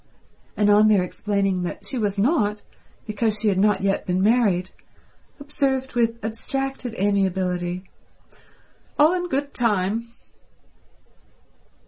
And on their explaining that she was not, because she had not yet been married, observed with abstracted amiability, "All in good time."